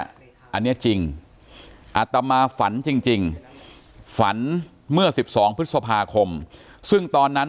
อันนี้จริงอัตมาฝันจริงฝันเมื่อ๑๒พฤษภาคมซึ่งตอนนั้น